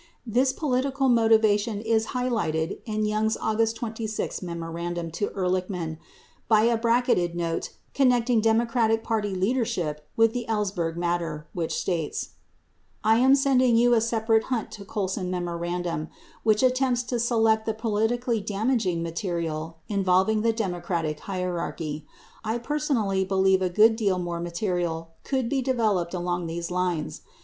This political motivation is highlighted in Young's August 26 memoran dum to Ehrlichman by a bracketed note connecting Democratic Party leadership with the Ellsberg matter, which states : I am sending you a separate Hunt to Colson memorandum which attempts to select the politically damaging material involving the Democratic hierarchy. I personally believe a good deal more material could be developed along these lines.